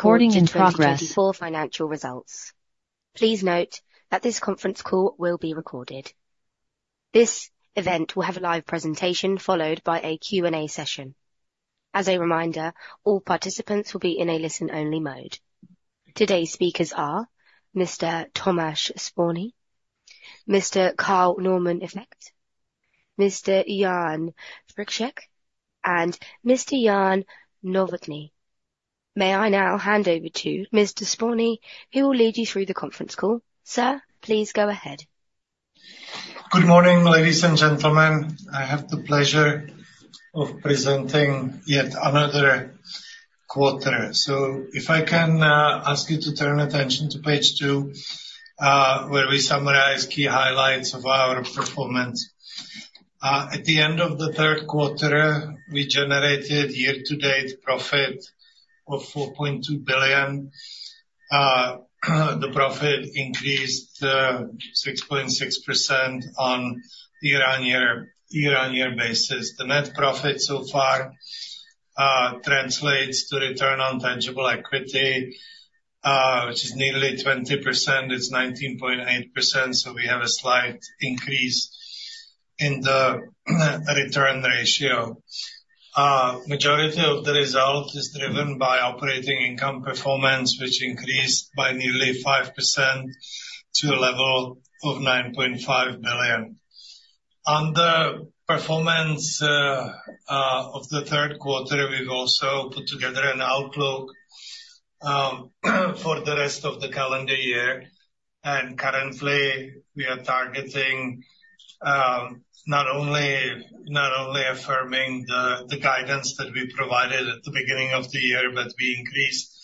Recording in progress for financial results. Please note that this conference call will be recorded. This event will have a live presentation, followed by a Q&A session. As a reminder, all participants will be in a listen-only mode. Today's speakers are Mr. Tomáš Spurný, Mr. Carl Normann Vökt, Mr. Jan Friček, and Mr. Jan Novotný. May I now hand over to Mr. Spurný, who will lead you through the conference call. Sir, please go ahead. Good morning, ladies and gentlemen. I have the pleasure of presenting yet another quarter. So if I can ask you to turn attention to page two, where we summarize key highlights of our performance. At the end of the third quarter, we generated year-to-date profit of 4.2 billion. The profit increased 6.6% on year-on-year basis. The net profit so far translates to return on tangible equity, which is nearly 20%. It's 19.8%, so we have a slight increase in the return ratio. Majority of the result is driven by operating income performance, which increased by nearly 5% to a level of 9.5 billion. On the performance of the third quarter, we've also put together an outlook for the rest of the calendar year, and currently, we are targeting not only affirming the guidance that we provided at the beginning of the year, but we increased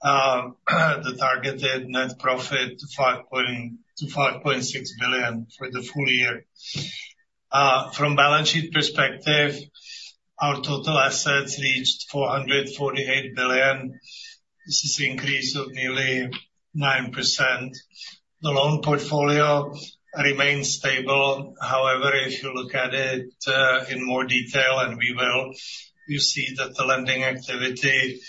the targeted net profit to 5.6 billion for the full year. From balance sheet perspective, our total assets reached 448 billion. This is increase of nearly 9%. The loan portfolio remains stable. However, if you look at it in more detail, and we will, you see that the lending activity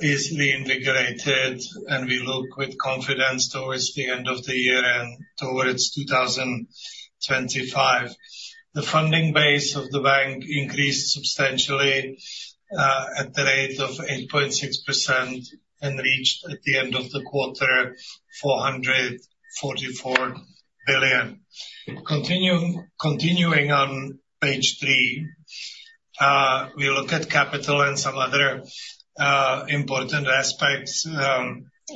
is reinvigorated, and we look with confidence towards the end of the year and towards 2025. The funding base of the bank increased substantially at the rate of 8.6% and reached, at the end of the quarter, 444 billion. Continuing on page three, we look at capital and some other important aspects.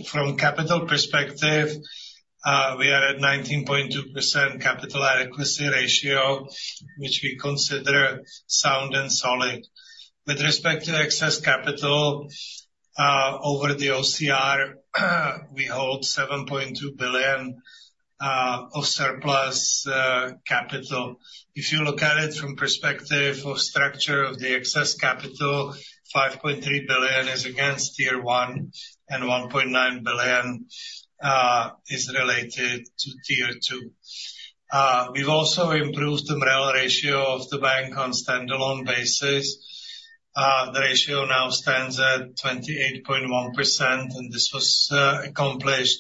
From capital perspective, we are at 19.2% capital adequacy ratio, which we consider sound and solid. With respect to excess capital over the OCR, we hold 7.2 billion of surplus capital. If you look at it from perspective of structure of the excess capital, 5.3 billion is against Tier 1, and 1.9 billion is related to Tier 2. We've also improved the MREL ratio of the bank on standalone basis. The ratio now stands at 28.1%, and this was accomplished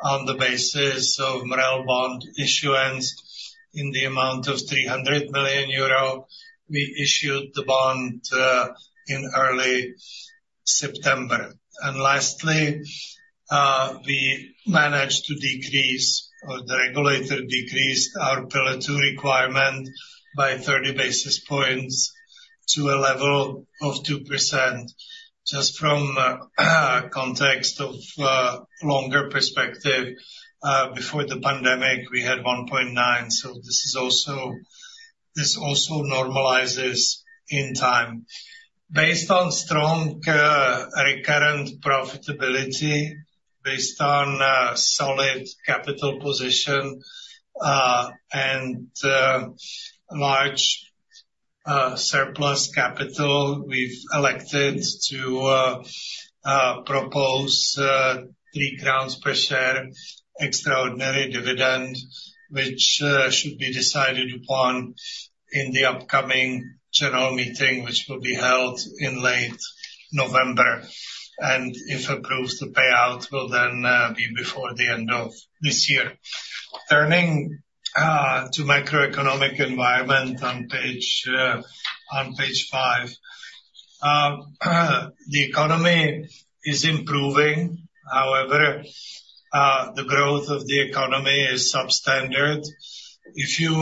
on the basis of MREL bond issuance in the amount of 300 million euro. We issued the bond in early September, and lastly, we managed to decrease, or the regulator decreased our Pillar 2 requirement by 30 basis points to a level of 2%. Just from context of longer perspective, before the pandemic, we had 1.9%, so this is also, this also normalizes in time. Based on strong recurrent profitability, based on solid capital position, and large surplus capital, we've elected to propose 3 crowns per share extraordinary dividend, which should be decided upon in the upcoming general meeting, which will be held in late November. And if approved, the payout will then be before the end of this year. Turning to macroeconomic environment on page 5. The economy is improving. However, the growth of the economy is substandard. If you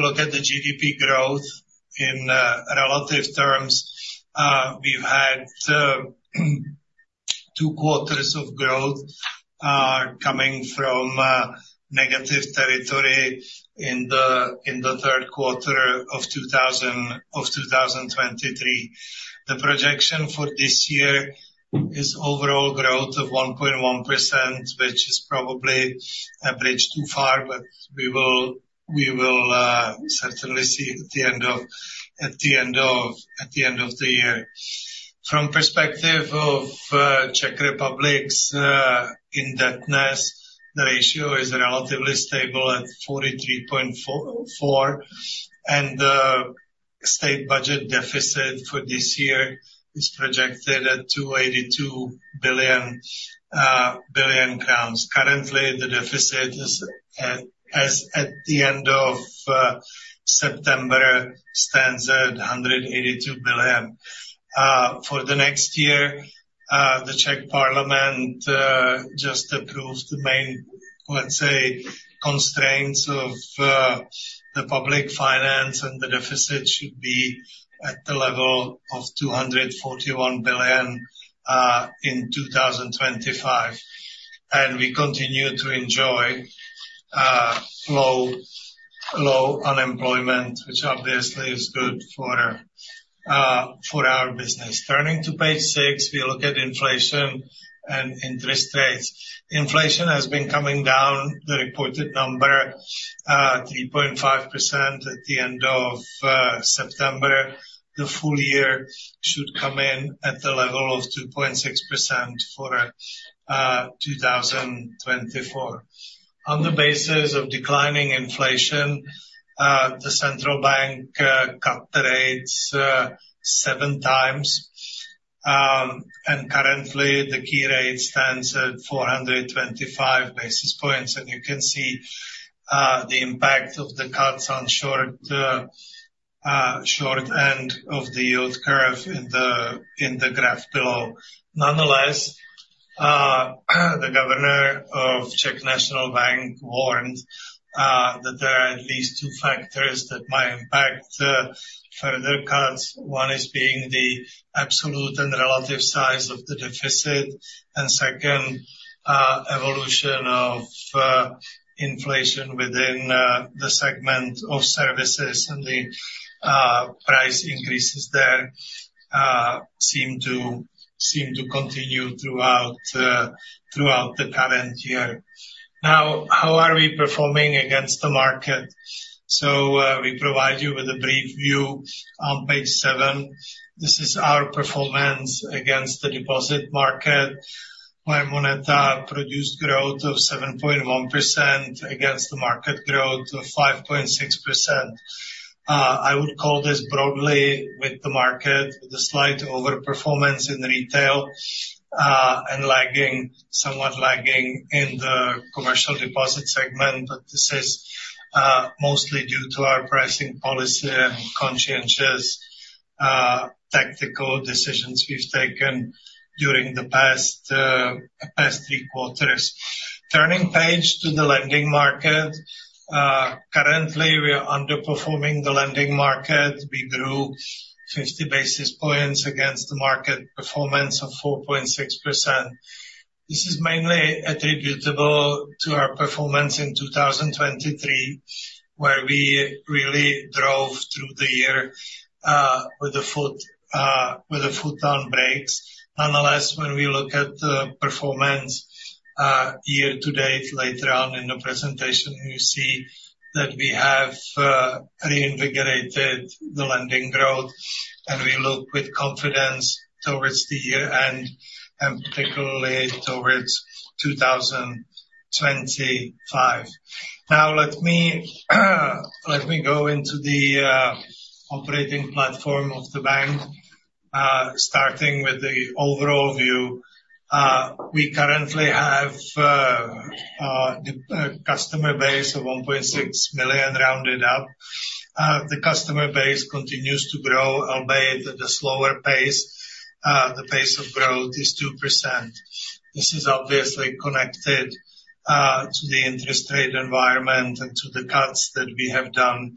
look at the GDP growth in relative terms, we've had two quarters of growth coming from negative territory in the third quarter of 2023. The projection for this year is overall growth of 1.1%, which is probably a bridge too far, but we will certainly see at the end of the year. From perspective of Czech Republic's indebtedness, the ratio is relatively stable at 43.4, and... State budget deficit for this year is projected at 282 billion crowns. Currently, the deficit as at the end of September stands at 182 billion. For the next year, the Czech Parliament just approved the main, let's say, constraints of the public finance, and the deficit should be at the level of 241 billion in 2025. We continue to enjoy low unemployment, which obviously is good for our business. Turning to page six, we look at inflation and interest rates. Inflation has been coming down. The reported number 3.5% at the end of September. The full year should come in at the level of 2.6% for 2024. On the basis of declining inflation, the central bank cut the rates seven times, and currently, the key rate stands at 425 basis points, and you can see the impact of the cuts on short end of the yield curve in the graph below. Nonetheless, the Governor of Czech National Bank warned that there are at least two factors that might impact further cuts. One is being the absolute and relative size of the deficit, and second, evolution of inflation within the segment of services and the price increases there seem to continue throughout the current year. Now, how are we performing against the market, so we provide you with a brief view on page seven. This is our performance against the deposit market, where Moneta produced growth of 7.1% against the market growth of 5.6%. I would call this broadly with the market, with a slight overperformance in retail, and lagging, somewhat lagging in the commercial deposit segment, but this is mostly due to our pricing policy and conscientious tactical decisions we've taken during the past three quarters. Turning page to the lending market. Currently, we are underperforming the lending market. We grew 50 basis points against the market performance of 4.6%. This is mainly attributable to our performance in 2023, where we really drove through the year with the foot on brakes. Nonetheless, when we look at the performance, year-to-date, later on in the presentation, you see that we have reinvigorated the lending growth, and we look with confidence towards the year-end, and particularly towards 2025. Now, let me go into the operating platform of the bank. Starting with the overall view, we currently have a customer base of 1.6 million, rounded up. The customer base continues to grow, albeit at a slower pace. The pace of growth is 2%. This is obviously connected to the interest rate environment and to the cuts that we have done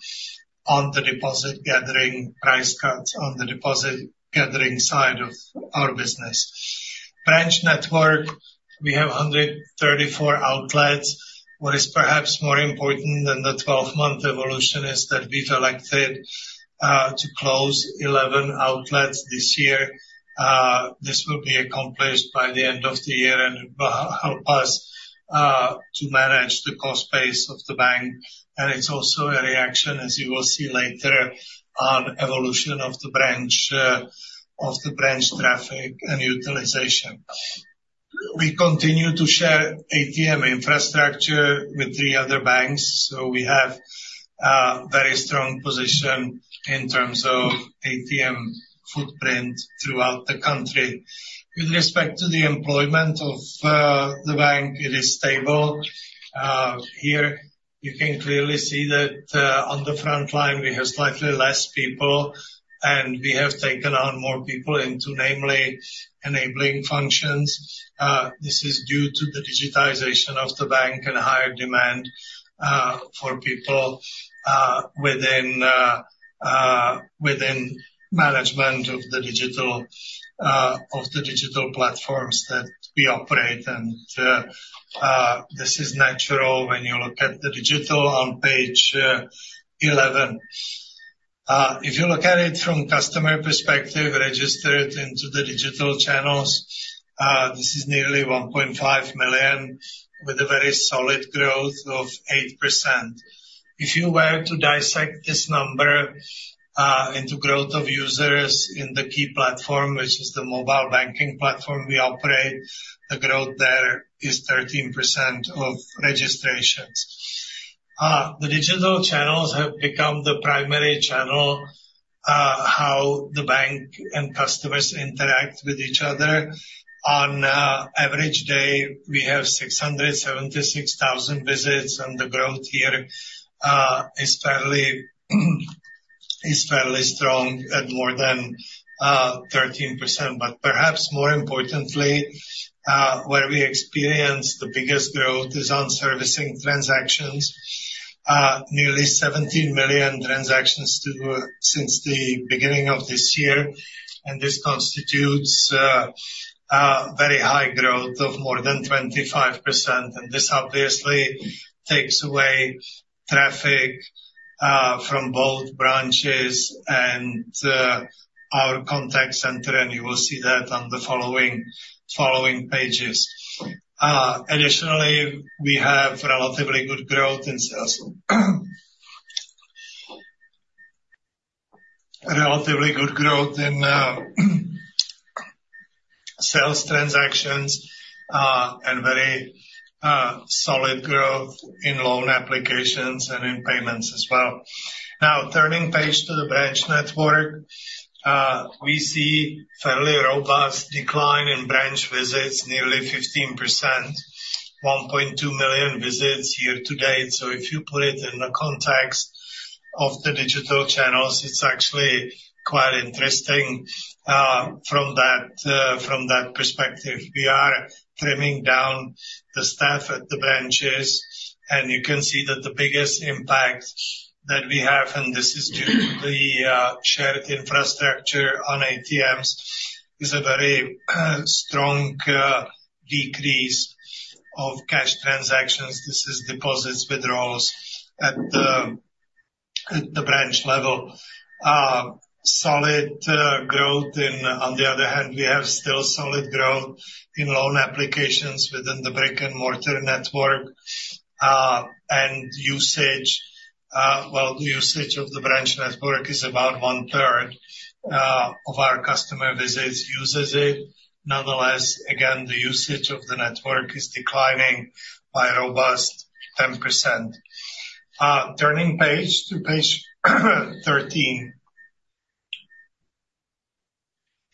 on the deposit gathering, price cuts on the deposit gathering side of our business. Branch network, we have 134 outlets. What is perhaps more important than the twelve-month evolution is that we've elected to close eleven outlets this year. This will be accomplished by the end of the year, and will help us to manage the cost base of the bank. And it's also a reaction, as you will see later, on evolution of the branch traffic and utilization. We continue to share ATM infrastructure with three other banks, so we have a very strong position in terms of ATM footprint throughout the country. With respect to the employment of the bank, it is stable. Here, you can clearly see that on the front line, we have slightly less people, and we have taken on more people into namely enabling functions. This is due to the digitization of the bank and higher demand for people within management of the digital platforms that we operate. This is natural when you look at the digital on page 11. If you look at it from customer perspective, registered into the digital channels, this is nearly 1.5 million, with a very solid growth of 8%. If you were to dissect this number into growth of users in the key platform, which is the mobile banking platform we operate, the growth there is 13% of registrations. The digital channels have become the primary channel how the bank and customers interact with each other. On an average day, we have 676 thousand visits, and the growth here is fairly strong at more than 13%. But perhaps more importantly, where we experienced the biggest growth is on servicing transactions. Nearly 17 million transactions to date since the beginning of this year, and this constitutes a very high growth of more than 25%. And this obviously takes away traffic from both branches and our contact center, and you will see that on the following pages. Additionally, we have relatively good growth in sales. A relatively good growth in sales transactions, and very solid growth in loan applications and in payments as well. Now, turning page to the branch network, we see fairly robust decline in branch visits, nearly 15%, 1.2 million visits year-to-date. So if you put it in the context of the digital channels, it's actually quite interesting, from that, from that perspective. We are trimming down the staff at the branches, and you can see that the biggest impact that we have, and this is due to the shared infrastructure on ATMs, is a very strong decrease of cash transactions. This is deposits, withdrawals at the branch level. Solid growth in-- On the other hand, we have still solid growth in loan applications within the brick-and-mortar network, and usage, well, the usage of the branch network is about one-third of our customer visits, uses it. Nonetheless, again, the usage of the network is declining by a robust 10%. Turning page to page 13.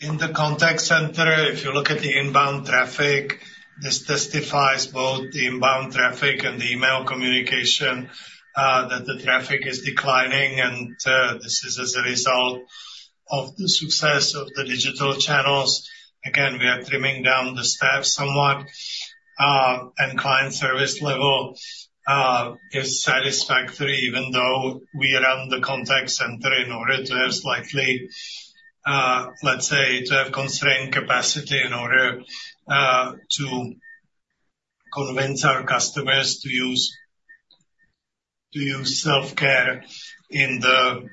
In the contact center, if you look at the inbound traffic, this testifies both the inbound traffic and the email communication that the traffic is declining, and this is as a result of the success of the digital channels. Again, we are trimming down the staff somewhat, and client service level is satisfactory, even though we run the contact center in order to have slightly, let's say, to have constrained capacity in order to convince our customers to use self-care in the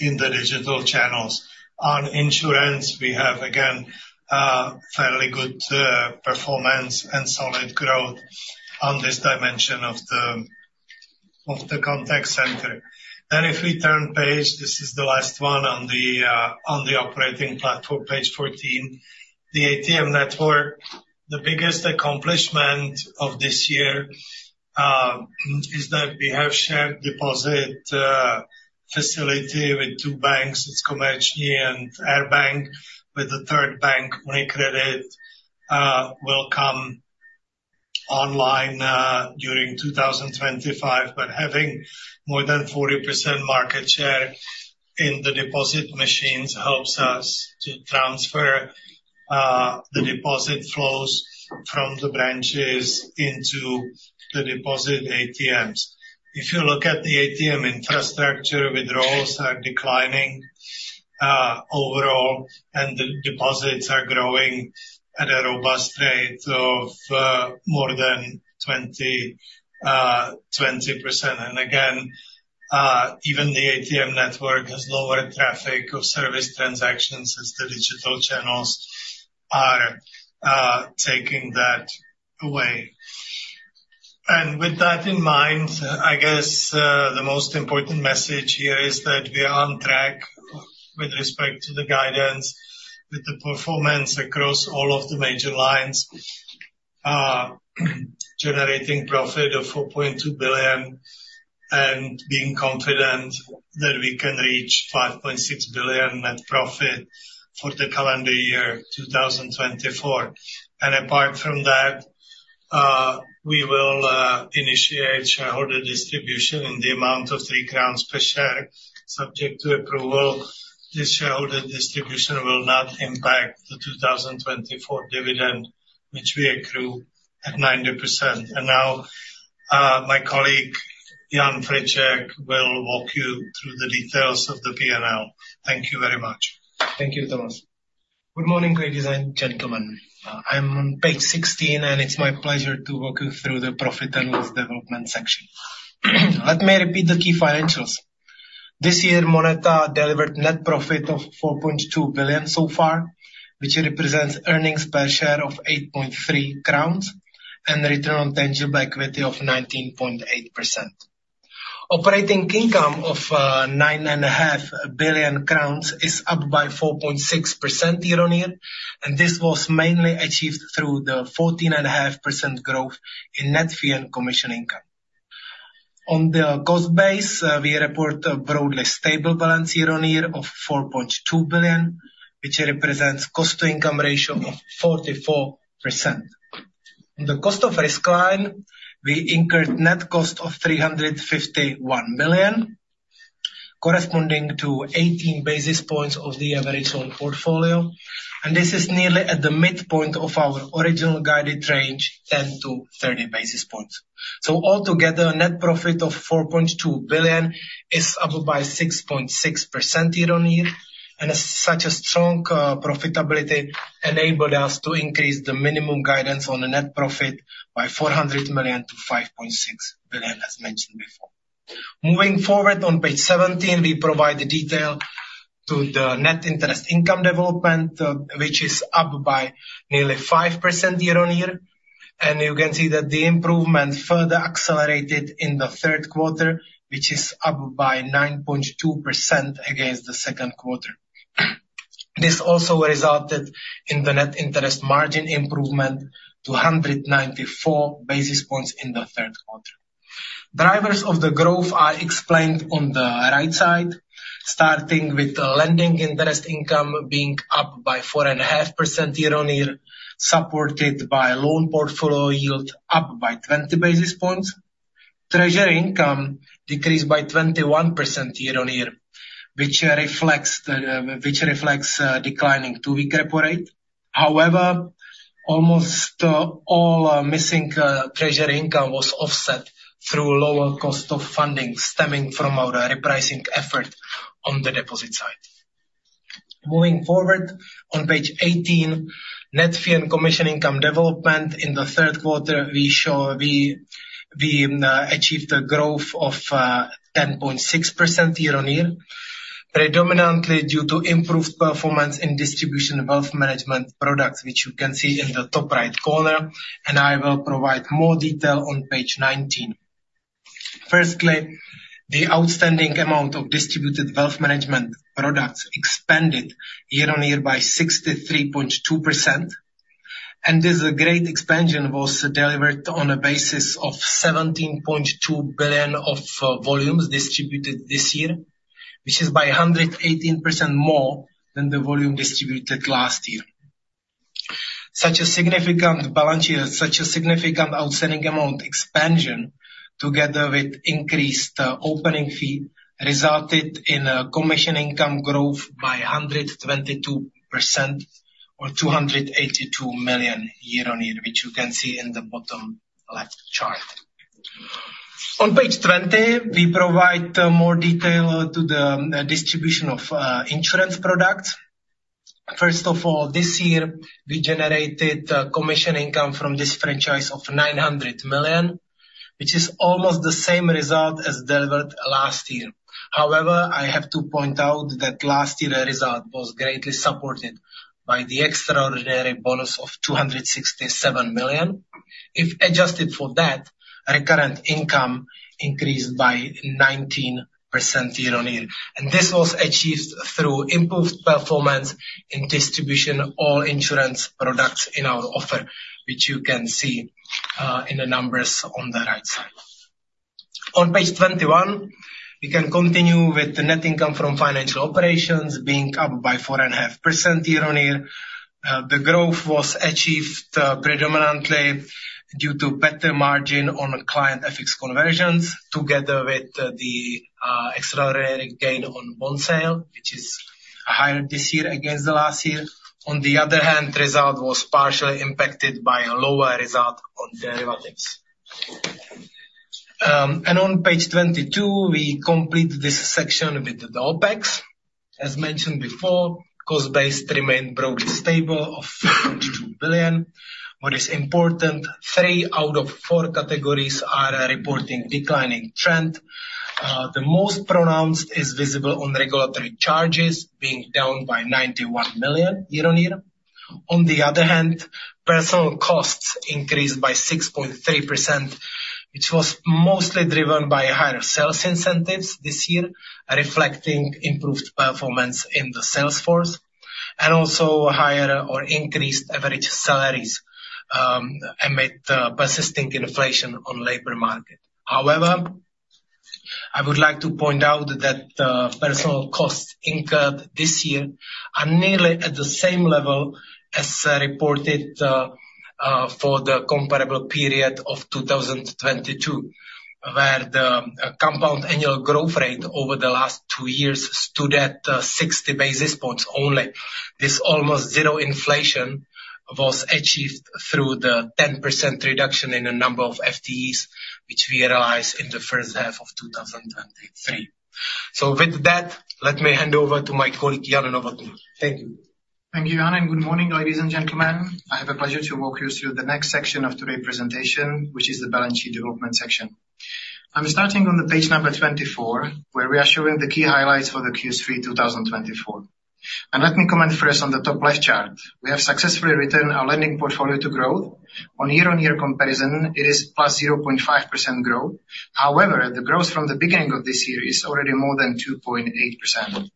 digital channels. On insurance, we have, again, fairly good performance and solid growth on this dimension of the contact center. Then if we turn page, this is the last one on the operating platform, page 14. The ATM network, the biggest accomplishment of this year, is that we have shared deposit facility with two banks, it's Komerční and Air Bank, with the third bank, UniCredit, will come online during 2025. But having more than 40% market share in the deposit machines helps us to transfer the deposit flows from the branches into the deposit ATMs. If you look at the ATM infrastructure, withdrawals are declining overall, and the deposits are growing at a robust rate of more than 20%. And again, even the ATM network has lower traffic of service transactions as the digital channels are taking that away. With that in mind, I guess, the most important message here is that we are on track with respect to the guidance, with the performance across all of the major lines, generating profit of 4.2 billion, and being confident that we can reach 5.6 billion net profit for the calendar year 2024. Apart from that, we will initiate shareholder distribution in the amount of 3 crowns per share, subject to approval. This shareholder distribution will not impact the 2024 dividend, which we accrue at 90%. Now, my colleague, Jan Friček, will walk you through the details of the P&L. Thank you very much. Thank you, Tomáš. Good morning, ladies and gentlemen. I'm on page 16, and it's my pleasure to walk you through the profit and loss development section. Let me repeat the key financials. This year, Moneta delivered net profit of 4.2 billion so far, which represents earnings per share of 8.3 crowns and return on tangible equity of 19.8%. Operating income of 9.5 billion crowns is up by 4.6% year-on-year, and this was mainly achieved through the 14.5% growth in net fee and commission income. On the cost base, we report a broadly stable balance year-on-year of 4.2 billion, which represents cost to income ratio of 44%. On the cost of risk line, we incurred net cost of 351 million, corresponding to 18 basis points of the average loan portfolio, and this is nearly at the midpoint of our original guided range, 10-30 basis points. Altogether, net profit of 4.2 billion is up by 6.6% year-on-year, and as such a strong profitability enabled us to increase the minimum guidance on the net profit by 400 million to 5.6 billion, as mentioned before. Moving forward, on page 17, we provide the detail to the net interest income development, which is up by nearly 5% year-on-year, and you can see that the improvement further accelerated in the third quarter, which is up by 9.2% against the second quarter. This also resulted in the net interest margin improvement to 194 basis points in the third quarter. Drivers of the growth are explained on the right side, starting with the lending interest income being up by 4.5% year-on-year, supported by loan portfolio yield up by 20 basis points. Treasury income decreased by 21% year-on-year, which reflects declining two-week PRIBOR. However, almost all missing treasury income was offset through lower cost of funding, stemming from our repricing effort on the deposit side. Moving forward, on page 18, net fee and commission income development. In the third quarter, we show we achieved a growth of 10.6% year-on-year, predominantly due to improved performance in distribution wealth management products, which you can see in the top right corner, and I will provide more detail on page 19. Firstly, the outstanding amount of distributed wealth management products expanded year-on-year by 63.2%, and this great expansion was delivered on a basis of 17.2 billion of volumes distributed this year, which is by 118% more than the volume distributed last year. Such a significant balance sheet, such a significant outstanding amount expansion, together with increased opening fee, resulted in a commission income growth by 122%, or 282 million year-on-year, which you can see in the bottom left chart. On page 20, we provide more detail to the distribution of insurance products. First of all, this year, we generated commission income from this franchise of 900 million, which is almost the same result as delivered last year. However, I have to point out that last year's result was greatly supported by the extraordinary bonus of 267 million. If adjusted for that, recurrent income increased by 19% year-on-year, and this was achieved through improved performance in distribution of all insurance products in our offer, which you can see in the numbers on the right side. On page 21, we can continue with the net income from financial operations being up by 4.5% year-on-year. The growth was achieved, predominantly due to better margin on client FX conversions, together with, the, extraordinary gain on bond sale, which is higher this year against the last year. On the other hand, result was partially impacted by a lower result on derivatives, and on page 22, we complete this section with the OPEX. As mentioned before, cost base remained broadly stable of 2 billion. What is important, three out of four categories are reporting declining trend. The most pronounced is visible on regulatory charges, being down by 91 million year-on-year. On the other hand, personnel costs increased by 6.3%, which was mostly driven by higher sales incentives this year, reflecting improved performance in the sales force, and also higher or increased average salaries, amid persisting inflation on labor market. However, I would like to point out that personnel costs incurred this year are nearly at the same level as reported for the comparable period of 2022, where the compound annual growth rate over the last two years stood at 60 basis points only. This almost zero inflation was achieved through the 10% reduction in the number of FTEs, which we realized in the first half of 2023. So with that, let me hand over to my colleague, Jan Novotný. Thank you. Thank you, Jan, and good morning, ladies and gentlemen. I have a pleasure to walk you through the next section of today's presentation, which is the balance sheet development section. I'm starting on the page number 24, where we are showing the key highlights for the Q3 2024. Let me comment first on the top left chart. We have successfully returned our lending portfolio to growth. On year-on-year comparison, it is plus 0.5% growth. However, the growth from the beginning of this year is already more than 2.8%....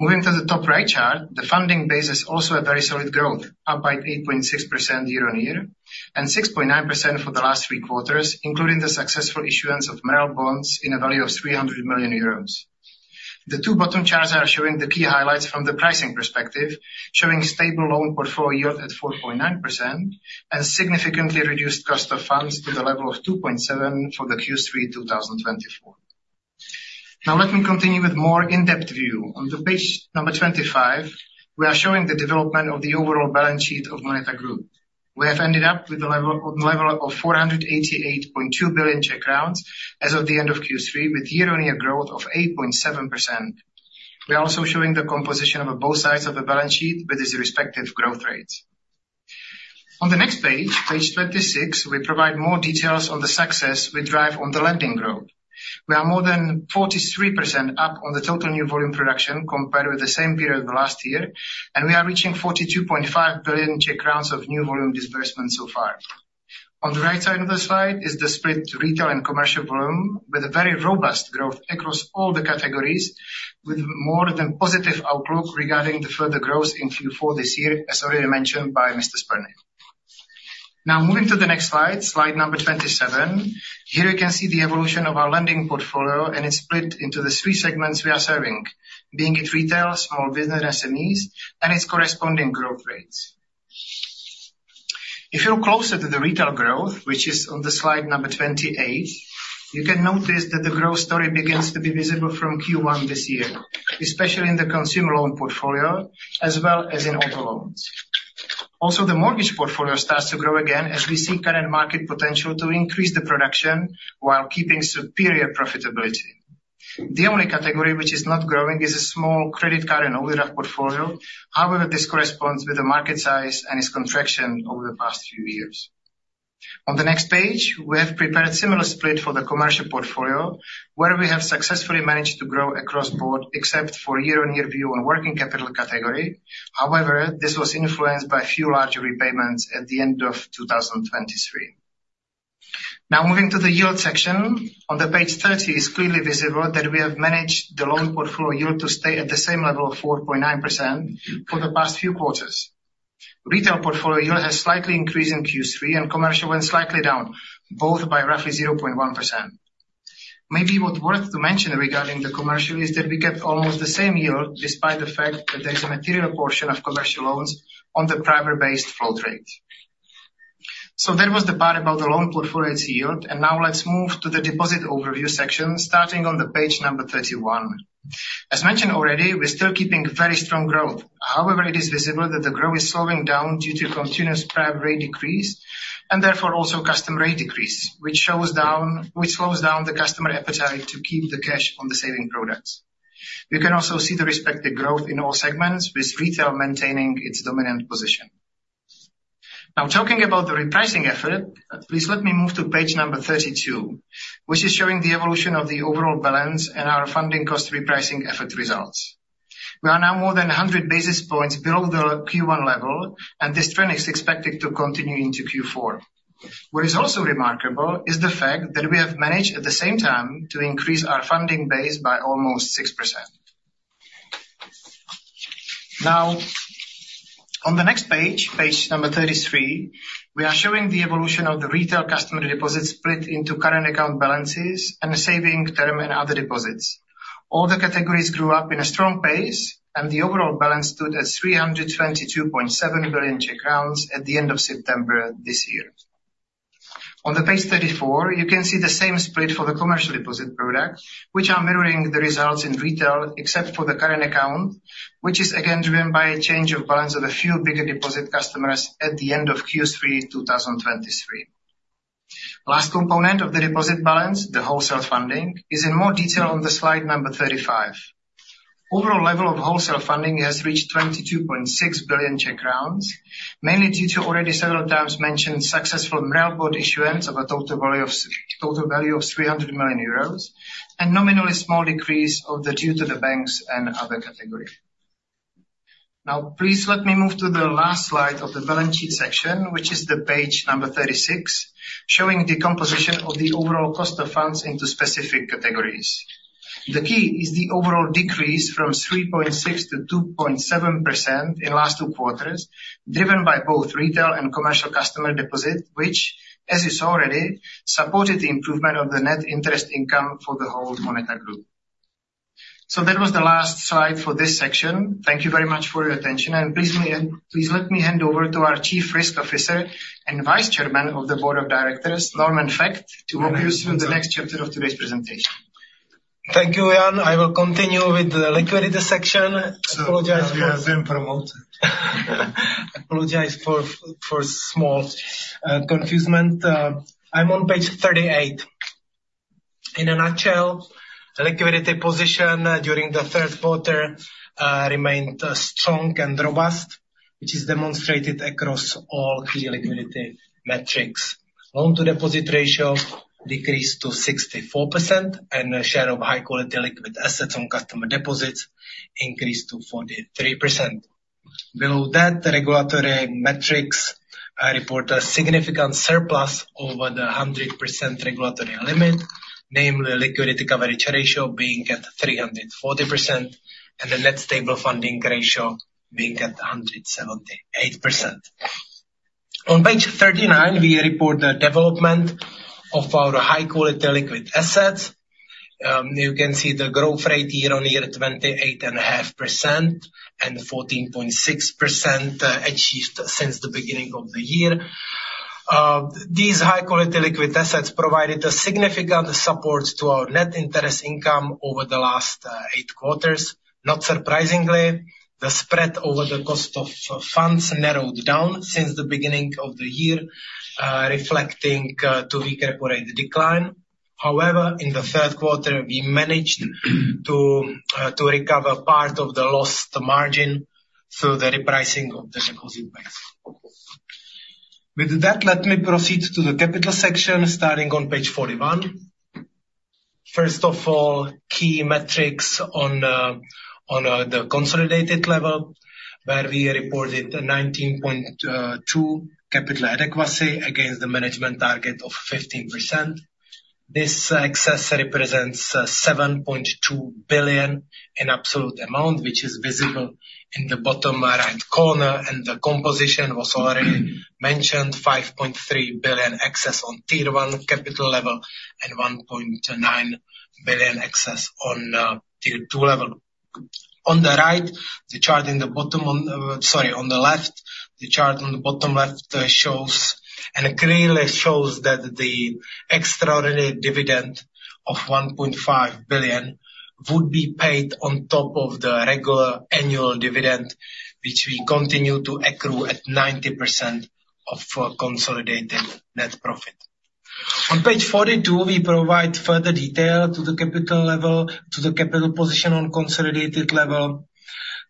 Moving to the top right chart, the funding base is also a very solid growth, up by 8.6% year-on-year, and 6.9% for the last three quarters, including the successful issuance of MREL bonds in a value of 300 million euros. The two bottom charts are showing the key highlights from the pricing perspective, showing stable loan portfolio yield at 4.9%, and significantly reduced cost of funds to the level of 2.7% for the Q3 2024. Now, let me continue with more in-depth view. On to page 25, we are showing the development of the overall balance sheet of Moneta Group. We have ended up with a level of 488.2 billion Czech crowns as of the end of Q3, with year-on-year growth of 8.7%. We are also showing the composition of both sides of the balance sheet with its respective growth rates. On the next page, page 26, we provide more details on the success we drive on the lending growth. We are more than 43% up on the total new volume production compared with the same period last year, and we are reaching 42.5 billion crowns of new volume disbursement so far. On the right side of the slide is the split retail and commercial volume, with a very robust growth across all the categories, with more than positive outlook regarding the further growth in Q4 this year, as already mentioned by Mr. Spurný. Now, moving to the next slide, slide number 27. Here you can see the evolution of our lending portfolio, and it's split into the three segments we are serving, being it retail, small business SMEs, and its corresponding growth rates. If you're closer to the retail growth, which is on the slide number 28, you can notice that the growth story begins to be visible from Q1 this year, especially in the consumer loan portfolio, as well as in auto loans. Also, the mortgage portfolio starts to grow again as we see current market potential to increase the production while keeping superior profitability. The only category which is not growing is a small credit card and overdraft portfolio. However, this corresponds with the market size and its contraction over the past few years. On the next page, we have prepared similar split for the commercial portfolio, where we have successfully managed to grow across the board, except for year-on-year view on working capital category. However, this was influenced by a few larger repayments at the end of 2023. Now, moving to the yield section. On page 30, it's clearly visible that we have managed the loan portfolio yield to stay at the same level of 4.9% for the past few quarters. Retail portfolio yield has slightly increased in Q3, and commercial went slightly down, both by roughly 0.1%. Maybe what worth to mention regarding the commercial is that we kept almost the same yield, despite the fact that there is a material portion of commercial loans on the PRIBOR-based float rate. So that was the part about the loan portfolio's yield, and now let's move to the deposit overview section, starting on page 31. As mentioned already, we're still keeping very strong growth. However, it is visible that the growth is slowing down due to continuous PRIBOR rate decrease, and therefore also customer rate decrease, which slows down the customer appetite to keep the cash on the savings products. You can also see the respective growth in all segments, with retail maintaining its dominant position. Now, talking about the repricing effort, please let me move to page number 32, which is showing the evolution of the overall balance and our funding cost repricing effort results. We are now more than a hundred basis points below the Q1 level, and this trend is expected to continue into Q4. What is also remarkable is the fact that we have managed, at the same time, to increase our funding base by almost 6%. Now, on the next page, page number 33, we are showing the evolution of the retail customer deposits split into current account balances and the saving term and other deposits. All the categories grew up in a strong pace, and the overall balance stood at 322.7 billion crowns at the end of September this year. On the page 34, you can see the same split for the commercial deposit product, which are mirroring the results in retail, except for the current account, which is again driven by a change of balance of a few bigger deposit customers at the end of Q3 2023. Last component of the deposit balance, the wholesale funding, is in more detail on the slide number 35. Overall level of wholesale funding has reached 22.6 billion crowns, mainly due to already several times mentioned successful MREL bond issuance of a total value of 300 million euros, and nominally small decrease of the due to the banks and other category. Now, please let me move to the last slide of the balance sheet section, which is page 36, showing the composition of the overall cost of funds into specific categories. The key is the overall decrease from 3.6%-2.7% in last two quarters, driven by both retail and commercial customer deposit, which, as you saw already, supported the improvement of the net interest income for the whole Moneta group. So that was the last slide for this section. Thank you very much for your attention, and please let me hand over to our Chief Risk Officer and Vice Chairman of the Board of Directors, Normann Vökt, to walk you through the next chapter of today's presentation. Thank you, Jan. I will continue with the liquidity section. I apologize for- Now you have been promoted. I apologize for small confusion. I'm on page 38. In a nutshell, the liquidity position during the third quarter remained strong and robust, which is demonstrated across all key liquidity metrics. Loan to deposit ratio decreased to 64%, and a share of high quality liquid assets on customer deposits increased to 43%. Below that, the regulatory metrics report a significant surplus over the 100% regulatory limit, namely liquidity coverage ratio being at 340%, and the net stable funding ratio being at 178%. On page 39, we report the development of our high quality liquid assets. You can see the growth rate year-on-year, 28.5%, and 14.6% achieved since the beginning of the year. These high quality liquid assets provided a significant support to our net interest income over the last eight quarters. Not surprisingly, the spread over the cost of funds narrowed down since the beginning of the year, reflecting a weaker rate decline. However, in the third quarter, we managed to recover part of the lost margin through the repricing of the deposit base. With that, let me proceed to the capital section, starting on page 41. First of all, key metrics on the consolidated level, where we reported a 19.2 capital adequacy against the management target of 15%. This excess represents 7.2 billion in absolute amount, which is visible in the bottom right corner, and the composition was already mentioned, 5.3 billion excess on Tier 1 capital level and 1.9 billion excess on Tier 2 level. On the right, the chart in the bottom. Sorry, on the left, the chart on the bottom left shows, and clearly shows that the extraordinary dividend of 1.5 billion would be paid on top of the regular annual dividend, which we continue to accrue at 90% of consolidated net profit. On page 42, we provide further detail to the capital level, to the capital position on consolidated level.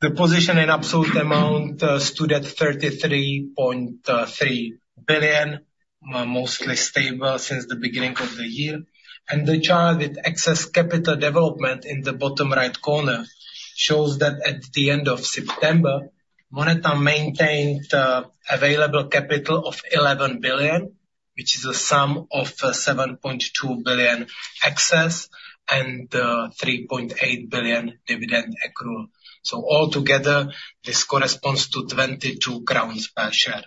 The position in absolute amount stood at 33.3 billion, mostly stable since the beginning of the year. And the chart with excess capital development in the bottom right corner shows that at the end of September, Moneta maintained available capital of 11 billion, which is a sum of 7.2 billion excess and 3.8 billion dividend accrual. So all together, this corresponds to 22 crowns per share.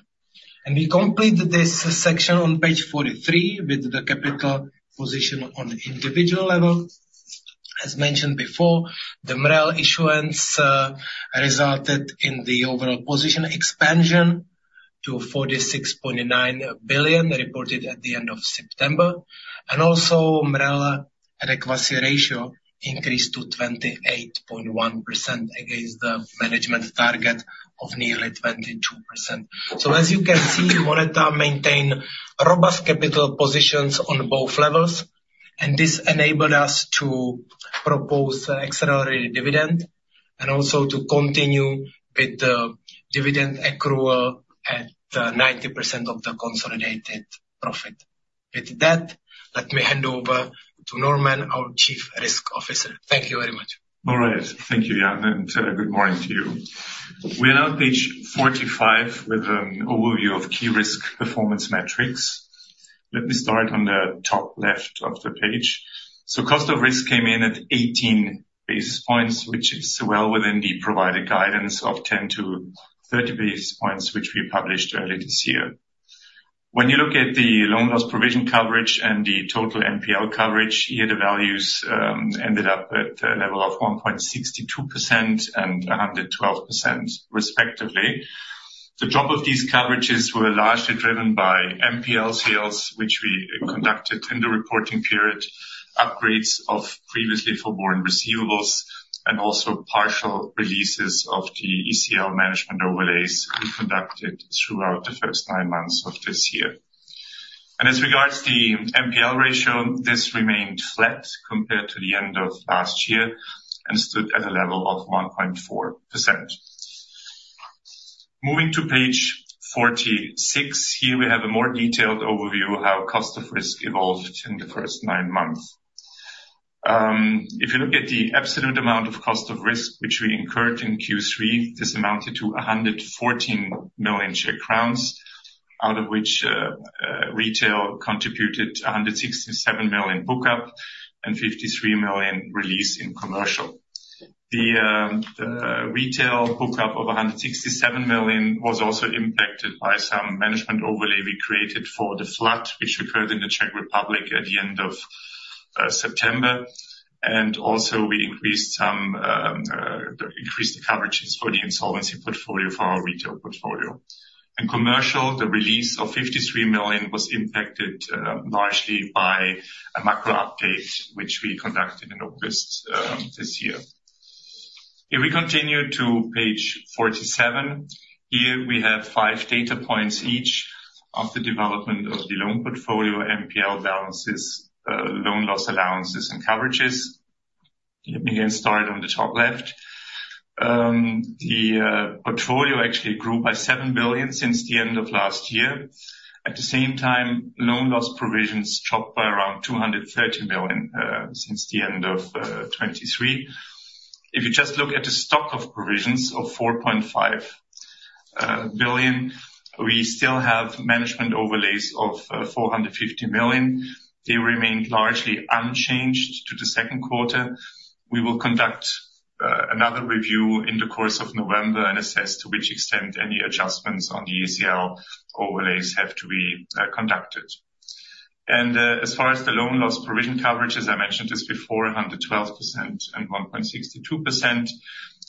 And we complete this section on page 43 with the capital position on individual level. As mentioned before, the MREL issuance resulted in the overall position expansion to 46.9 billion, reported at the end of September, and also MREL adequacy ratio increased to 28.1% against the management target of nearly 22%. So as you can see, Moneta maintain robust capital positions on both levels, and this enabled us to propose an accelerated dividend, and also to continue with the dividend accrual at 90% of the consolidated profit. With that, let me hand over to Normann, our Chief Risk Officer. Thank you very much. All right. Thank you, Jan, and good morning to you. We're on page forty-five with an overview of key risk performance metrics. Let me start on the top left of the page. So cost of risk came in at 18 basis points, which is well within the provided guidance of 10-30 basis points, which we published earlier this year. When you look at the loan loss provision coverage and the total NPL coverage, here the values ended up at a level of 1.62% and 112% respectively. The drop of these coverages were largely driven by NPL sales, which we conducted in the reporting period, upgrades of previously forborne receivables, and also partial releases of the ECL management overlays we conducted throughout the first nine months of this year. As regards to the NPL ratio, this remained flat compared to the end of last year, and stood at a level of 1.4%. Moving to page 46, here we have a more detailed overview how cost of risk evolved in the first nine months. If you look at the absolute amount of cost of risk, which we incurred in Q3, this amounted to 114 million crowns, out of which, retail contributed 167 million book up, and 53 million release in commercial. The retail book up of 167 million was also impacted by some management overlay we created for the flood, which occurred in the Czech Republic at the end of September. We also increased the coverages for the insolvency portfolio for our retail portfolio. In commercial, the release of 53 million was impacted largely by a macro update, which we conducted in August this year. If we continue to page 47, here we have five data points, each of the development of the loan portfolio, NPL balances, loan loss allowances and coverages. Let me get started on the top left. The portfolio actually grew by 7 billion since the end of last year. At the same time, loan loss provisions dropped by around 230 million since the end of 2023. If you just look at the stock of provisions of 4.5 billion. We still have management overlays of 450 million. They remained largely unchanged to the second quarter. We will conduct another review in the course of November and assess to which extent any adjustments on the ACL overlays have to be conducted, and as far as the loan loss provision coverage, as I mentioned this before, 112% and 1.62%,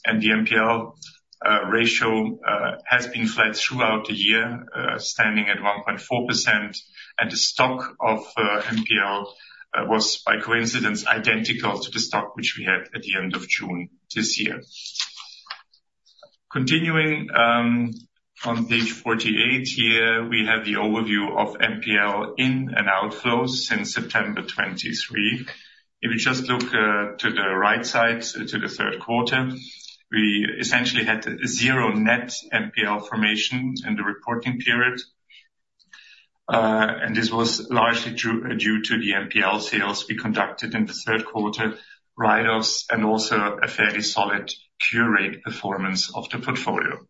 and the NPL ratio has been flat throughout the year, standing at 1.4%, and the stock of NPL was, by coincidence, identical to the stock which we had at the end of June this year. Continuing on page 48, here, we have the overview of NPL inflows and outflows since September 2023. If you just look to the right side, to the third quarter, we essentially had zero net NPL formation in the reporting period. This was largely due to the NPL sales we conducted in the third quarter, write-offs, and also a fairly solid cure performance of the portfolio.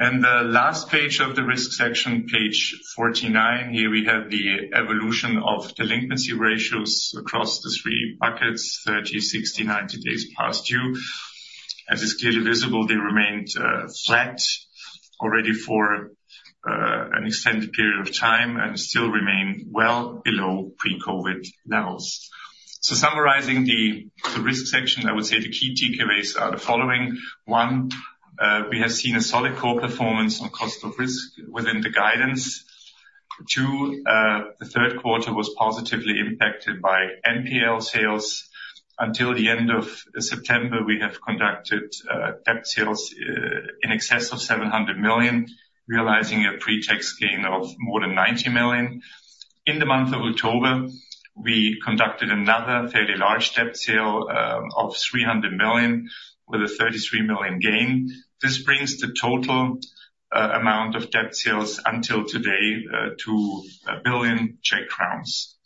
The last page of the risk section, page 49, here we have the evolution of delinquency ratios across the three buckets, 30, 60, 90 days past due. As is clearly visible, they remained flat already for an extended period of time and still remain well below pre-COVID levels. Summarizing the risk section, I would say the key takeaways are the following: One, we have seen a solid core performance on cost of risk within the guidance. Two, the third quarter was positively impacted by NPL sales. Until the end of September, we have conducted debt sales in excess of 700 million, realizing a pre-tax gain of more than 90 million. In the month of October, we conducted another fairly large debt sale of 300 million with a 33 million gain. This brings the total amount of debt sales until today to 1 billion crowns.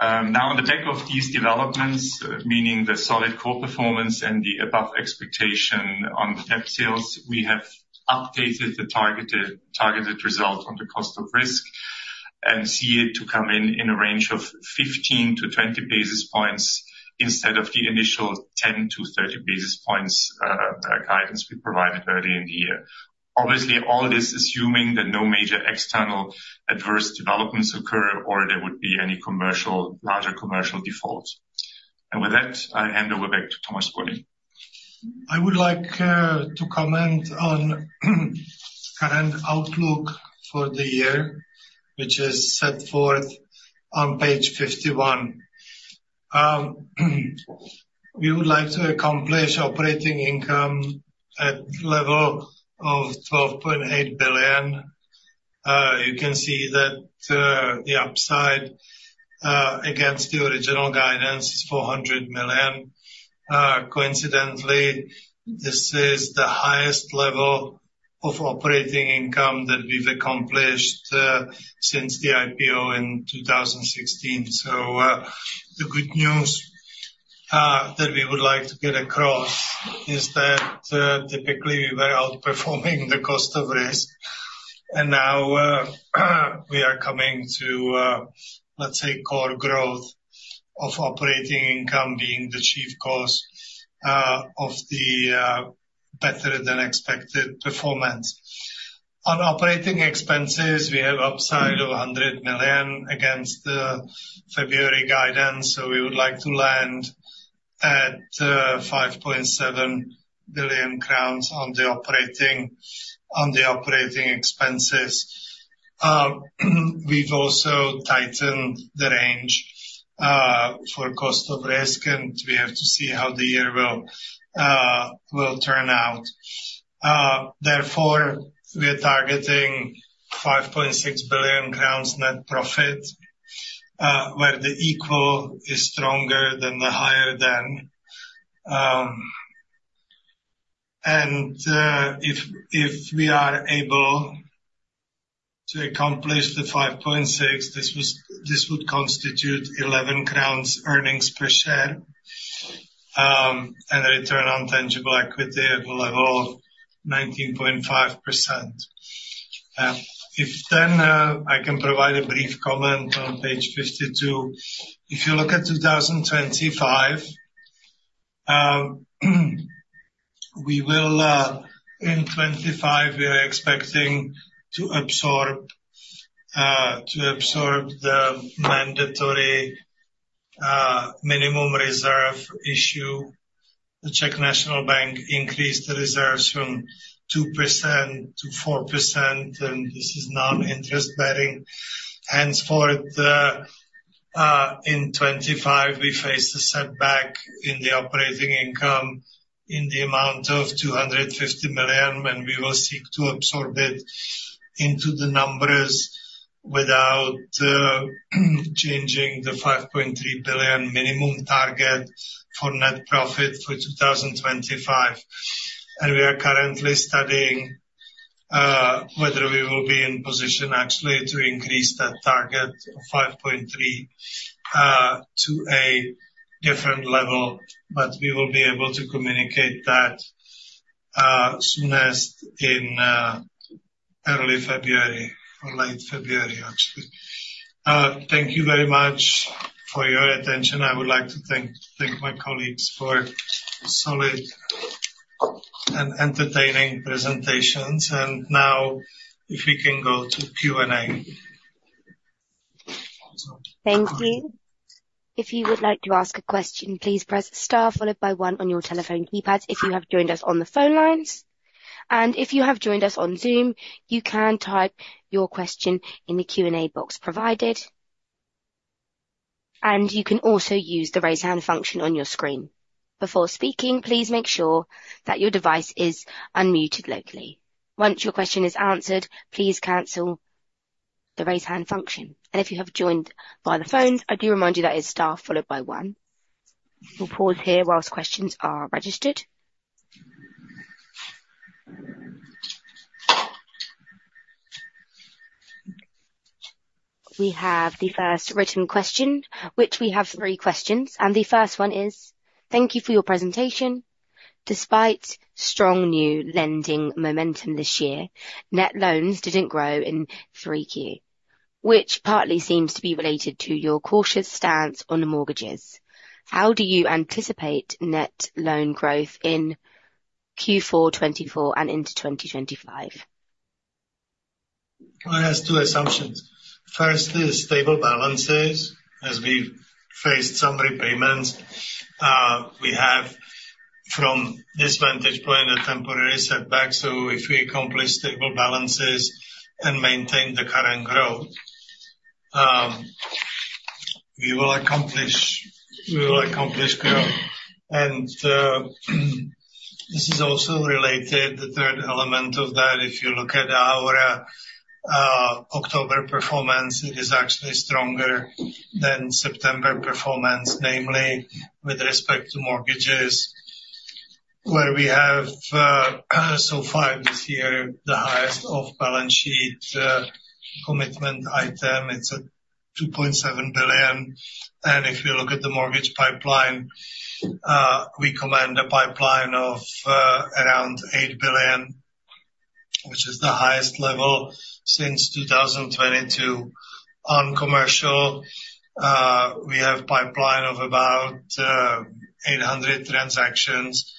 Now, on the back of these developments, meaning the solid core performance and the above expectation on the debt sales, we have updated the targeted result on the cost of risk, and see it to come in a range of 15-20 basis points instead of the initial 10-30 basis points guidance we provided early in the year. Obviously, all this assuming that no major external adverse developments occur, or there would be any larger commercial defaults. And with that, I hand over back to Tomáš Spurný. I would like to comment on current outlook for the year, which is set forth on page 51. We would like to accomplish operating income at level of 12.8 billion. You can see that the upside against the original guidance is 400 million. Coincidentally, this is the highest level of operating income that we've accomplished since the IPO in 2016. So, the good news that we would like to get across is that typically, we are outperforming the cost of risk, and now we are coming to let's say, core growth of operating income being the chief cause of the better-than-expected performance. On operating expenses, we have upside of 100 million against the February guidance, so we would like to land at 5.7 billion crowns on the operating expenses. We've also tightened the range for cost of risk, and we have to see how the year will turn out. Therefore, we are targeting 5.6 billion crowns net profit, where the equal is stronger than the higher than, and if we are able to accomplish the 5.6, this would constitute 11 crowns earnings per share, and a return on tangible equity at the level of 19.5%. If then, I can provide a brief comment on page 52. If you look at 2025, we will in 2025 we are expecting to absorb the mandatory minimum reserve issue. The Czech National Bank increased the reserves from 2%-4%, and this is non-interest bearing. Henceforth in 2025, we face a setback in the operating income in the amount of 250 million, and we will seek to absorb it into the numbers without changing the 5.3 billion minimum target for net profit for 2025. And we are currently studying whether we will be in position actually to increase that target of 5.3 to a different level, but we will be able to communicate that soon as in early February or late February, actually. Thank you very much for your attention. I would like to thank my colleagues for solid and entertaining presentations. And now if we can go to Q&A. Thank you. If you would like to ask a question, please press star followed by one on your telephone keypad, if you have joined us on the phone lines, and if you have joined us on Zoom, you can type your question in the Q&A box provided, and you can also use the Raise Hand function on your screen. Before speaking, please make sure that your device is unmuted locally. Once your question is answered, please cancel the Raise Hand function, and if you have joined by the phones, I do remind you that it's star followed by one. We'll pause here while questions are registered. We have the first written question, which we have three questions, and the first one is: Thank you for your presentation. Despite strong new lending momentum this year, net loans didn't grow in 3Q, which partly seems to be related to your cautious stance on the mortgages. How do you anticipate net loan growth in Q4 2024 and into 2025? It has two assumptions. Firstly, the stable balances. As we've faced some repayments, we have, from this vantage point, a temporary setback, so if we accomplish stable balances and maintain the current growth, we will accomplish growth. And this is also related, the third element of that, if you look at our October performance, it is actually stronger than September performance, namely, with respect to mortgages, where we have, so far this year, the highest off-balance sheet commitment item. It's at 2.7 billion, and if you look at the mortgage pipeline, we command a pipeline of around eight billion, which is the highest level since 2022. On commercial, we have pipeline of about 800 transactions,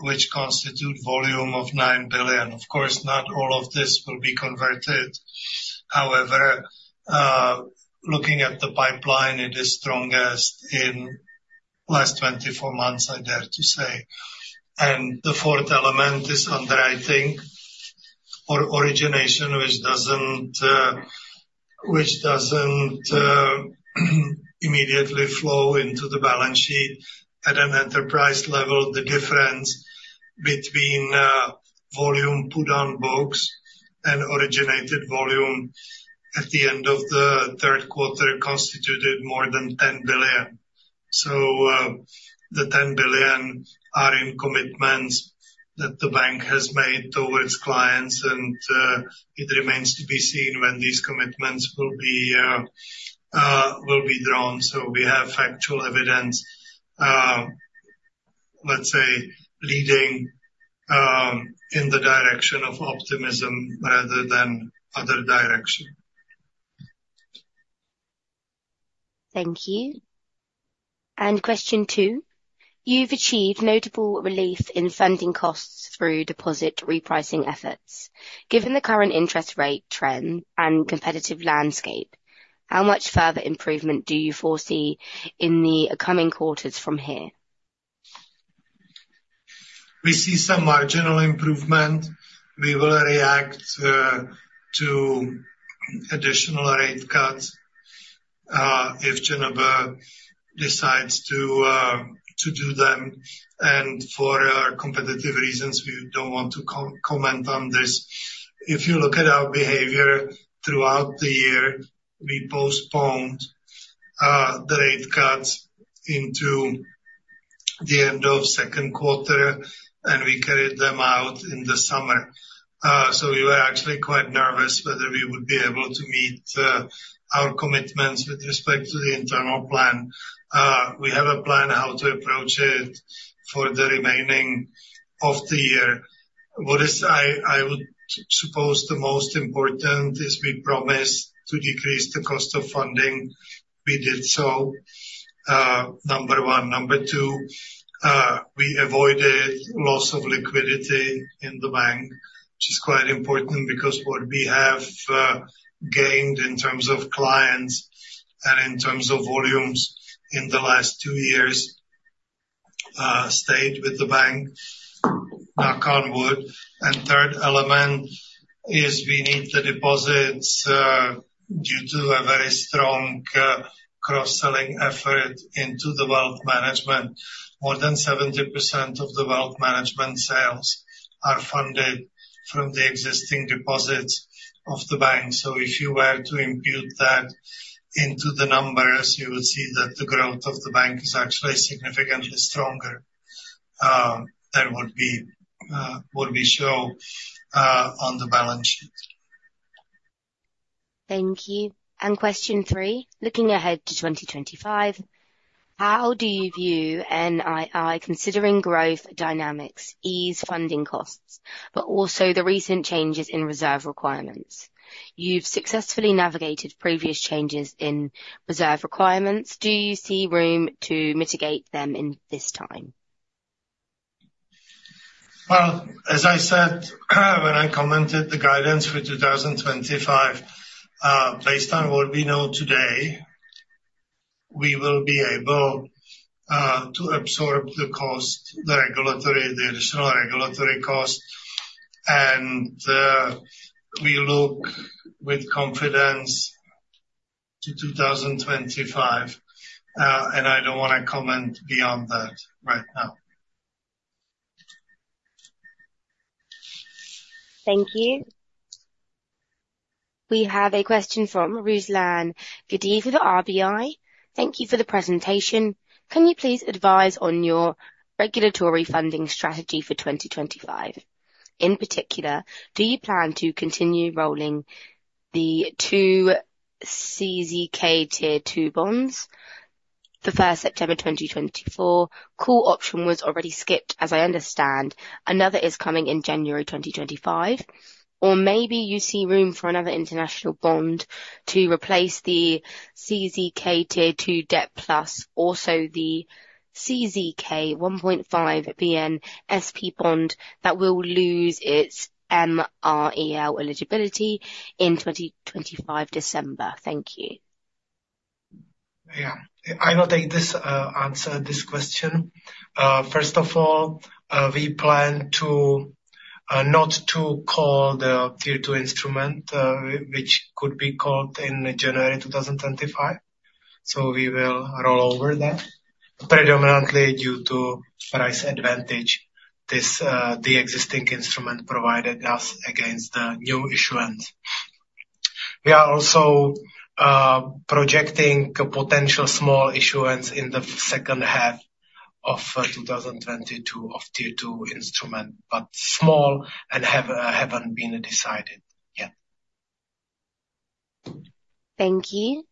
which constitute volume of nine billion. Of course, not all of this will be converted. However, looking at the pipeline, it is strongest in last 24 months, I dare to say, and the fourth element is underwriting or origination, which doesn't immediately flow into the balance sheet. At an enterprise level, the difference between volume put on books and originated volume at the end of the third quarter constituted more than 10 billion, so the 10 billion are in commitments that the bank has made towards clients, and it remains to be seen when these commitments will be drawn, so we have factual evidence, let's say, leading in the direction of optimism rather than other direction. Thank you. And question two: You've achieved notable relief in funding costs through deposit repricing efforts. Given the current interest rate trend and competitive landscape, how much further improvement do you foresee in the coming quarters from here? We see some marginal improvement. We will react to additional rate cuts if CNB decides to do them, and for competitive reasons, we don't want to comment on this. If you look at our behavior throughout the year, we postponed the rate cuts into the end of second quarter, and we carried them out in the summer. So we were actually quite nervous whether we would be able to meet our commitments with respect to the internal plan. We have a plan how to approach it for the remaining of the year. What is I, I would suppose the most important is we promised to decrease the cost of funding. We did so number one. Number two, we avoided loss of liquidity in the bank, which is quite important, because what we have gained in terms of clients and in terms of volumes in the last two years stayed with the bank, knock on wood. And third element is we need the deposits due to a very strong cross-selling effort into the wealth management. More than 70% of the wealth management sales are funded from the existing deposits of the bank. So if you were to impute that into the numbers, you would see that the growth of the bank is actually significantly stronger than what we show on the balance sheet.... Thank you. And question three, looking ahead to 2025, how do you view NII considering growth dynamics, ease funding costs, but also the recent changes in reserve requirements? You've successfully navigated previous changes in reserve requirements. Do you see room to mitigate them in this time? As I said, when I commented the guidance for 2025, based on what we know today, we will be able to absorb the cost, the regulatory, the additional regulatory cost, and we look with confidence to 2025. And I don't want to comment beyond that right now. Thank you. We have a question from Ruslan Gadeev with RBI. Thank you for the presentation. Can you please advise on your regulatory funding strategy for 2025? In particular, do you plan to continue rolling the two CZK Tier 2 bonds? The first September 2024 call option was already skipped, as I understand. Another is coming in January 2025. Or maybe you see room for another international bond to replace the CZK Tier 2 debt, plus also the CZK 1.5 billion SP bond that will lose its MREL eligibility in 2025 December. Thank you. Yeah. I will take this, answer this question. First of all, we plan to not to call the Tier 2 instrument, which could be called in January 2025. So we will roll over that, predominantly due to price advantage. This, the existing instrument provided us against the new issuance. We are also projecting a potential small issuance in the second half of 2022 of Tier 2 instrument, but small and haven't been decided yet. Thank you.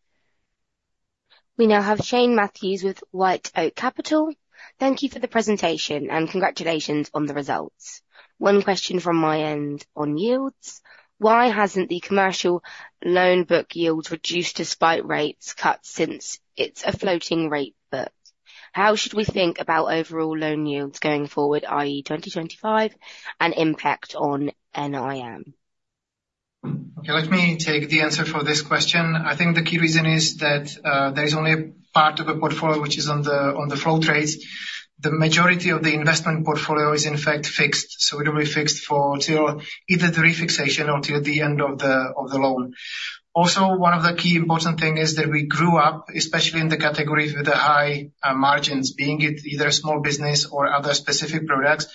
We now have Shane Mathews with WhiteOak Capital. Thank you for the presentation, and congratulations on the results. One question from my end on yields: Why hasn't the commercial loan book yield reduced despite rates cut since it's a floating rate book? How should we think about overall loan yields going forward, i.e., 2025, and impact on NIM? Okay, let me take the answer for this question. I think the key reason is that, there is only a part of the portfolio which is on the, on the float rates. The majority of the investment portfolio is in fact fixed, so it will be fixed for till either the re-fixation or till the end of the, of the loan. Also, one of the key important thing is that we grew up, especially in the category with the high, margins, being it either small business or other specific products.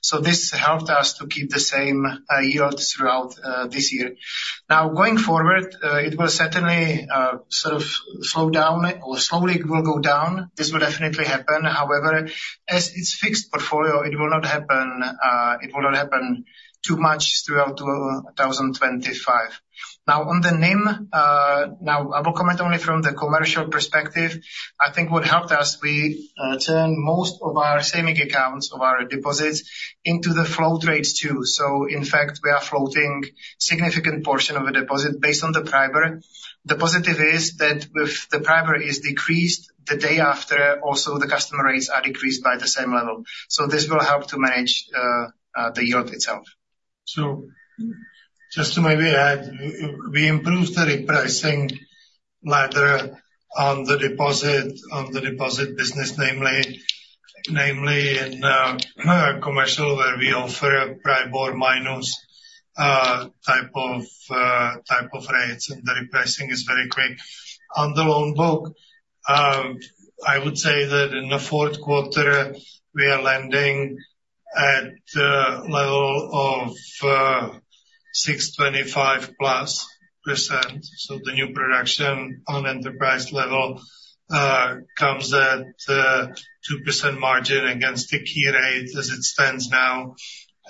So this helped us to keep the same, yield throughout, this year. Now, going forward, it will certainly, sort of slow down or slowly will go down. This will definitely happen. However, as it's fixed portfolio, it will not happen, it will not happen too much throughout 2025. Now, on the NIM, now I will comment only from the commercial perspective. I think what helped us, we turn most of our savings accounts, of our deposits into the floating rates, too. So in fact, we are floating significant portion of the deposit based on the PRIBOR. The positive is that if the PRIBOR is decreased, the day after, also the customer rates are decreased by the same level. So this will help to manage the yield itself. So just to maybe add, we improved the repricing ladder on the deposit, on the deposit business, namely in commercial, where we offer PRIBOR minus type of rates, and the repricing is very quick. On the loan book, I would say that in the fourth quarter, we are lending at the level of 6.25% plus. So the new production on enterprise level comes at 2% margin against the key rate as it stands now.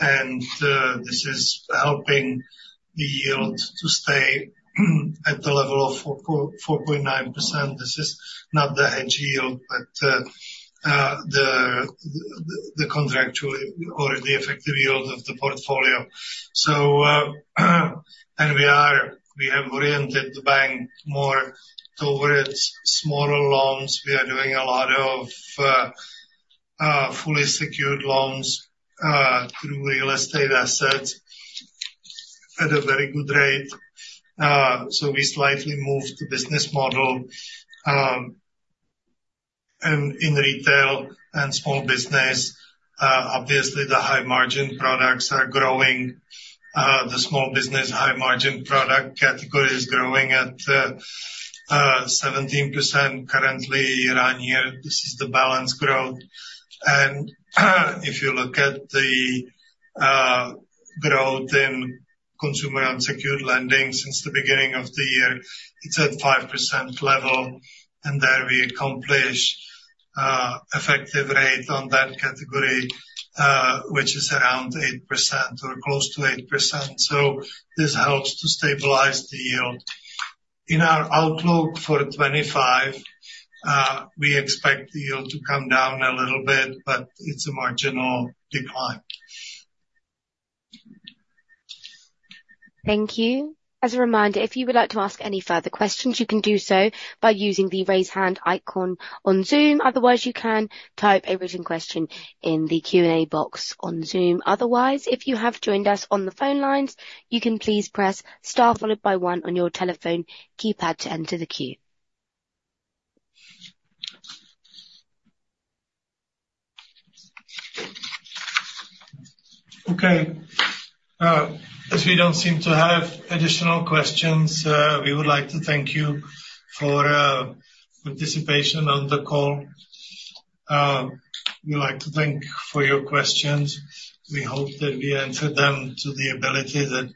And this is helping the yield to stay at the level of 4.9%. This is not the hedge yield, but the contractual or the effective yield of the portfolio. So and we have oriented the bank more towards smaller loans. We are doing a lot of fully secured loans through real estate assets at a very good rate, so we slightly moved the business model, and in retail and small business, obviously, the high margin products are growing. The small business high margin product category is growing at 17% currently year-on-year. This is the balance growth, and if you look at the growth in consumer unsecured lending since the beginning of the year, it's at 5% level, and there we accomplish effective rate on that category, which is around 8% or close to 8%. So this helps to stabilize the yield. In our outlook for 2025, we expect the yield to come down a little bit, but it's a marginal decline. Thank you. As a reminder, if you would like to ask any further questions, you can do so by using the Raise Hand icon on Zoom. Otherwise, you can type a written question in the Q&A box on Zoom. Otherwise, if you have joined us on the phone lines, you can please press Star followed by one on your telephone keypad to enter the queue. Okay, as we don't seem to have additional questions, we would like to thank you for participation on the call. We'd like to thank for your questions. We hope that we answered them to the ability that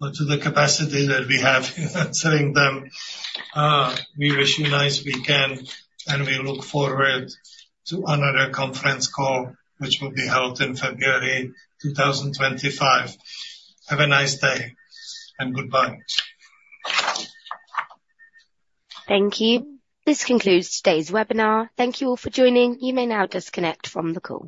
or to the capacity that we have in answering them. We wish you a nice weekend, and we look forward to another conference call, which will be held in February 2025. Have a nice day, and goodbye. Thank you. This concludes today's webinar. Thank you all for joining. You may now disconnect from the call.